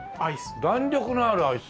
弾力のあるアイス。